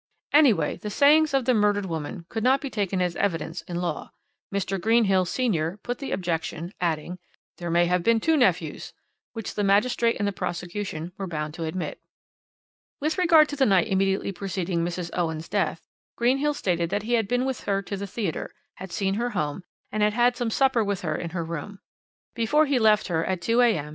"Anyway, the sayings of the murdered woman could not be taken as evidence in law. Mr. Greenhill senior put the objection, adding: 'There may have been two nephews,' which the magistrate and the prosecution were bound to admit. "With regard to the night immediately preceding Mrs. Owen's death, Greenhill stated that he had been with her to the theatre, had seen her home, and had had some supper with her in her room. Before he left her, at 2 a.m.